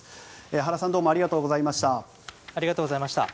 原さんどうもありがとうございました。